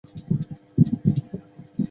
中国有自由和民主